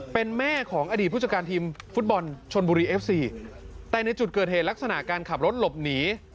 เป็นแม่ของอดีตผู้จัดการทีมฟุตบอลชนบุรีเอฟซีแต่ในจุดเกิดเหตุลักษณะการขับรถหลบหนี